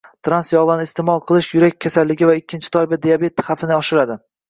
Trans yog‘larni iste’mol qilish yurak kasalligi va ikkinchi toifa diabet xavfini oshiradi